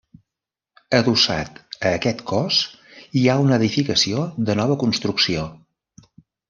Adossat a aquest cos hi ha una edificació de nova construcció.